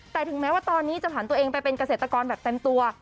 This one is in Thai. แต่ถึงแม้ว่าตอนนี้จะผ่านตัวเองไปเป็นเกษตรกรแบบเต็มตัว